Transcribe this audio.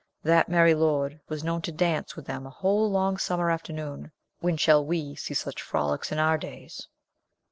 That merry lord was known to dance with them a whole long summer afternoon! When shall we see such frolics in our days?"